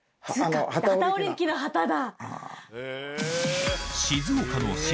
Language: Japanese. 機織り機の「機」だ。